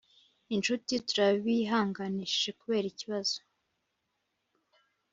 Inshuti turabihanganishije kubera ikibazo